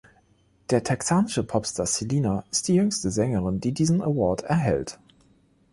Der texanische Popstar Selena ist die jüngste Sängerin, die diesen Award erhält.